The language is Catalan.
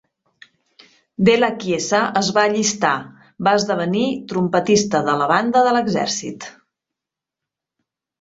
Della Chiesa es va allistar va esdevenir trompetista de la banda de l'exèrcit.